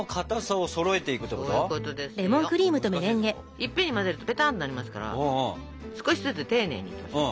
いっぺんに混ぜるとぺたんとなりますから少しずつ丁寧にいきましょう。